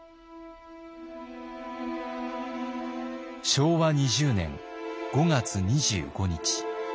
昭和２０年５月２５日。